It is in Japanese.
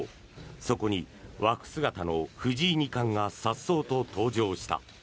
そこに和服姿の藤井二冠がさっそうと登場した。